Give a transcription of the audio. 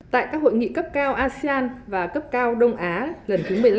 tại các hội nghị cấp cao asean và cấp cao đông á lần thứ một mươi năm